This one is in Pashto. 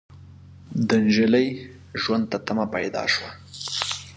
د نجلۍ ژوند ته تمه پيدا شوه.